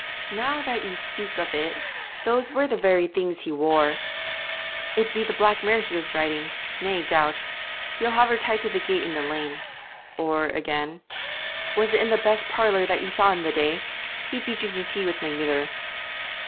'Now that ye speak of it, those were the very things he wore.' 'It'd be the black mare he was riding, nae doubt; he'll have tied her to the gate in the lane.' Or again: 'Was it in the best parlour that ye saw him the day? He'd be drinking tea wi' my mither.'